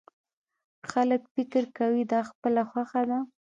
خلک فکر کوي دا خپله خوښه ده.